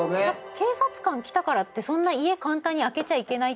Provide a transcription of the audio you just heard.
警察官来たからってそんな家簡単に開けちゃいけないって。